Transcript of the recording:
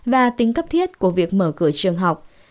và tính cấp thiết của việc mở cửa trường học